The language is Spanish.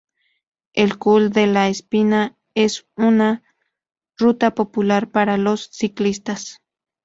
El col dela Espina es una ruta popular para los ciclistas.